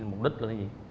cái gì mục đích của cái gì